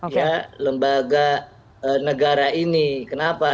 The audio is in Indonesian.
ya lembaga negara ini kenapa